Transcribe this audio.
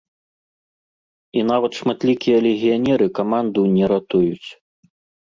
І нават шматлікія легіянеры каманду не ратуюць.